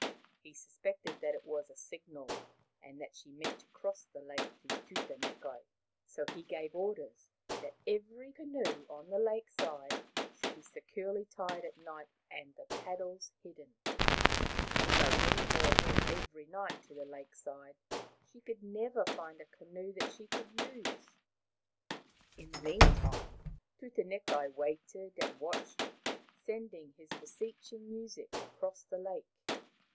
He suspected that it was a signal, and that she meant to cross the lake to Tutanekai. So he gave orders that every canoe on the lake side should be securely tied at night and the paddles hidden. Though Hinemoa went every night to the lake side, she could never find a canoe that she could use. In the meantime Tutanekai waited and watched, sending his beseeching music across the lake.